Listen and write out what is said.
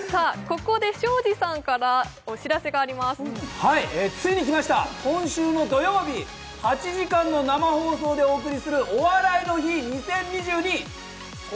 ここで庄司さんからお知らせがありますはいついに来ました今週の土曜日８時間の生放送でお送りする「お笑いの日２０２２」